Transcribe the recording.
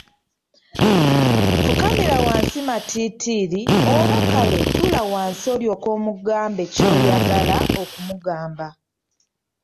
Fukamira wansi matiitiri oba kale tuula wansi olyoke omugambe ky'oyagala okumugamba.